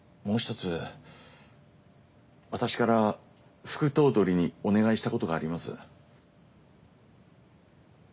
もう１つ私から副頭取にお願いしたことがあります。